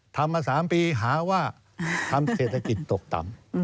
ทำมา๓ปีหาว่าทำเศรษฐกิจตกต่ำ